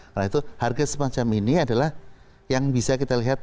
karena itu harga semacam ini adalah yang bisa kita lihat